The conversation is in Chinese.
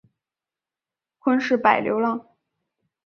昆士柏流浪